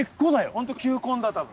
本当球根だ多分。